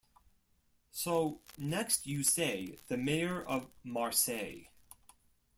So next you say the Mayor of Marseille.